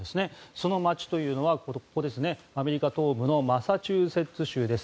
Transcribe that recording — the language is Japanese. その街というのはここですねアメリカ東部のマサチューセッツ州です。